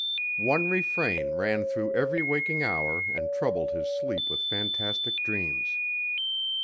One refrain ran through every waking hour and troubled his sleep with fantastic dreams.